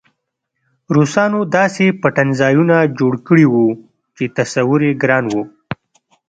روسانو داسې پټنځایونه جوړ کړي وو چې تصور یې ګران و